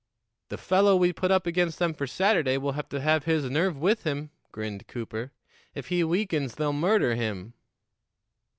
"The fellow we put up against them for Saturday will have to have his nerve with him," grinned Cooper. "If he weakens, they'll murder him."